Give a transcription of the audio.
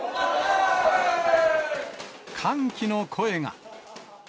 歓喜の声が。